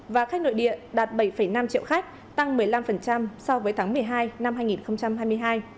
và khách nội địa đạt bảy năm triệu khách tăng một mươi năm so với tháng một mươi hai năm hai nghìn hai mươi hai